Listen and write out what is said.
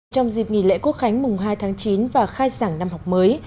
trong dịp nghỉ lễ quốc khánh mùng hai tháng chín và khai sản năm học mới